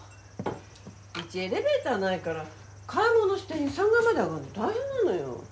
うちエレベーターないから買い物して２３階まで上がるの大変なのよ。